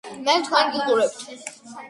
მე თქვენ გიყურებთ